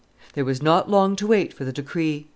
There was not long to wait for the decree.